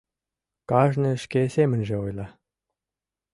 Кажне шке семынже ойла...